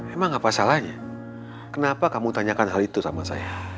emang apa salahnya kenapa kamu tanyakan hal itu sama saya